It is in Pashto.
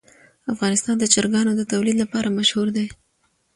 افغانستان د چرګانو د تولید لپاره مشهور دی.